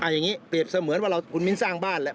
อย่างนี้เปรียบเสมือนว่าเราคุณมิ้นสร้างบ้านแหละ